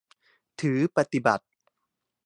ถือปฏิบัติ